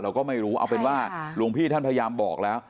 เราก็ไม่รู้เอาเป็นว่าหลวงพี่ท่านพยายามบอกแล้ว